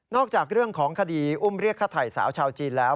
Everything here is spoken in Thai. นอกจากเรื่องของคดีอุ้มเรียกขทัยสาวชาวจีนแล้ว